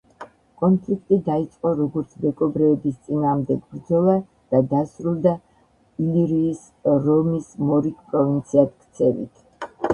კონფლიქტი დაიწყო როგორც მეკობრეების წინააღმდეგ ბრძოლა და დასრულდა ილირიის რომის მორიგ პროვინციად ქცევით.